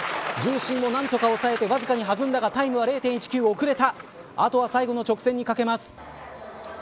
重心も何とか抑えてわずかに弾んだがタイムは０．１９遅れたあとは最後の直線に懸けます。